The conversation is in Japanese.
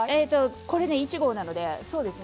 これね１合なのでそうですね。